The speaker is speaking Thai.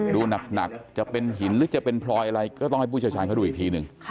ดูหนักจะเป็นหินหรือจะเป็นพลอยอะไรก็ต้องให้ผู้เชี่ยวชาญเขาดูอีกทีหนึ่ง